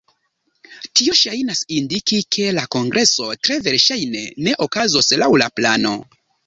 Tio ŝajnas indiki, ke la kongreso tre verŝajne ne okazos laŭ la plano.